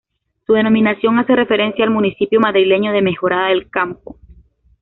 Su denominación hace referencia al municipio madrileño de Mejorada del Campo.